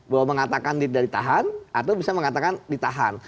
bahwa mengatakan tidak ditahan atau bisa mengatakan ditahan